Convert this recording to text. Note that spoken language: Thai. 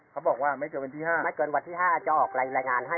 เขาบอกว่าไม่เกินวันที่๕ไม่เกินวันที่๕จะออกรายงานให้